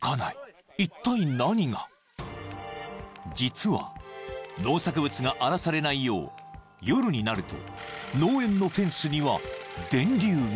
［実は農作物が荒らされないよう夜になると農園のフェンスには電流が］